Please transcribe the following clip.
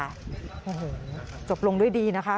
โอ้โหจบลงด้วยดีนะคะ